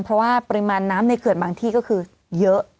เพราะว่าปริมาณน้ำในเขื่อนบางที่ก็คือเยอะ